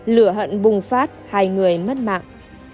lửa hận bùng phát hai người mất mạng